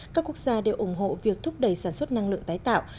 các quốc gia đều ủng hộ việc thúc đẩy sản xuất năng lượng tái tạo